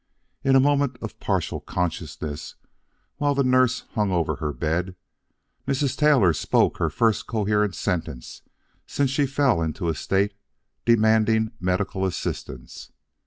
In a moment of partial consciousness, while the nurse hung over her bed, Mrs. Taylor spoke her first coherent sentence since she fell into a state demanding medical assistance.